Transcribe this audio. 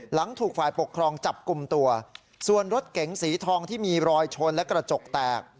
หลังถูกฝ่ายปกครองจับกลุ่มตัวส่วนรถเก๋งสีทองที่มีรอยชนและกระจกแตก